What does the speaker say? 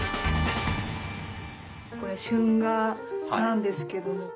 これ春画なんですけど。